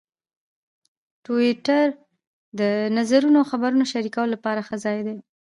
ټویټر د نظرونو او خبرونو شریکولو لپاره ښه ځای دی.